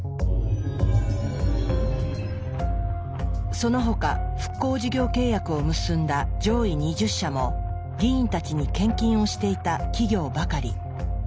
その他復興事業契約を結んだ上位２０社も議員たちに献金をしていた企業ばかり。